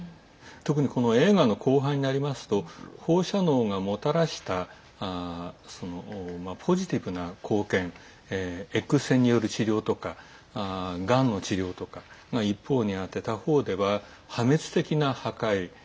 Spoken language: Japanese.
特に、この映画の後半になりますと放射能がもたらしたポジティブな貢献Ｘ線による治療とかがんの治療とかが一方にあって他方では破滅的な破壊。